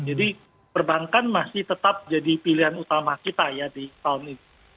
jadi perbankan masih tetap jadi pilihan utama kita ya di tahun ini